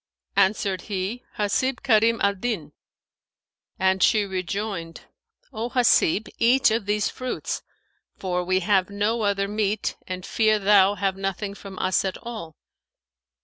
Answered he, "Hasib Karim al Din;" and she rejoined, "O Hasib, eat of these fruits, for we have no other meat and fear thou have nothing from us at all."